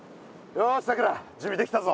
よしさくら準備できたぞ。